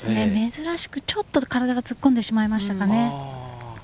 珍しくちょっと体が突っ込んでしまいましたね。